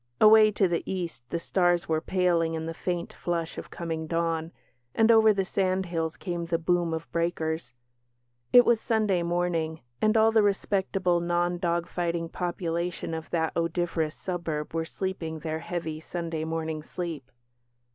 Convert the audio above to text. Away to the East the stars were paling in the faint flush of coming dawn, and over the sandhills came the boom of breakers. It was Sunday morning, and all the respectable, non dog fighting population of that odoriferous suburb were sleeping their heavy, Sunday morning sleep.